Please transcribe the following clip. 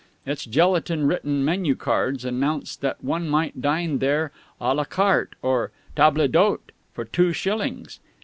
Its gelatine written menu cards announced that one might dine there à la carte or table d'hôte for two shillings.